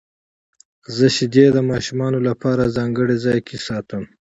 زه شیدې د ماشومانو لپاره ځانګړي ځای کې ساتم.